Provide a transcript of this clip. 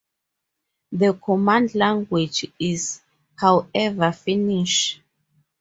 The command language is, however, Finnish.